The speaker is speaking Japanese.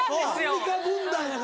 アンミカ軍団やからな。